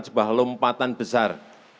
sebuah lompatan besar